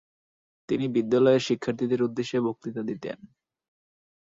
তিনি বিদ্যালয়ের শিক্ষার্থীদের উদ্দেশ্যে বক্তৃতা দিতেন।